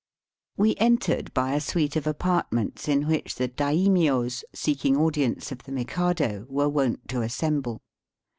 69 We entered by a suite of apartments in which the daimios seeking audience of the Mikado were wont to assemble.